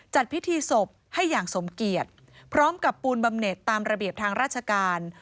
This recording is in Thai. จัดพิธีศพให้อย่างสมเกียจพร้อมกับปูนบำเน็ตตามระเบียบทางราชการ